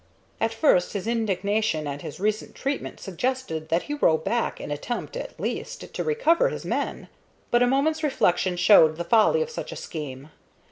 At first his indignation at his recent treatment suggested that he row back and attempt, at least, to recover his men; but a moment's reflection showed the folly of such a scheme.